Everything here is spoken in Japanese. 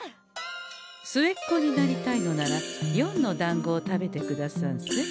末っ子になりたいのなら「四」のだんごを食べてくださんせ。